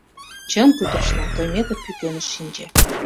— Чын, кутырышна, — Тойметов пӱкеныш шинче.